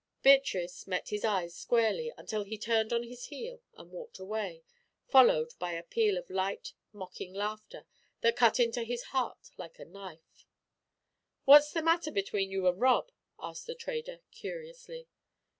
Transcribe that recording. Beatrice met his eyes squarely until he turned on his heel and walked away, followed by a peal of light, mocking laughter that cut into his heart like a knife. "What's the matter between you and Rob?" asked the trader, curiously.